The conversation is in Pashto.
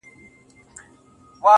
ه ته خپه د ستړي ژوند له شانه نه يې.